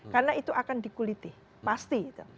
karena itu akan dikulitih pasti